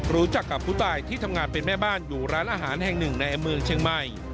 รู้จักกับผู้ตายที่ทำงานเป็นแม่บ้านอยู่ร้านอาหารแห่งหนึ่งในเมืองเชียงใหม่